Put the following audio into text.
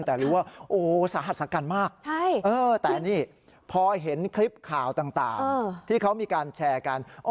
แต่รู้ว่าโอ้สาหัสสากันมากแต่นี่พอเห็นคลิปข่าวต่างที่เขามีการแชร์กัน